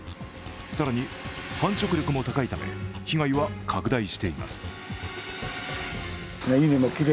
更に繁殖力も高いため、被害は拡大しています。